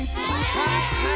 はい。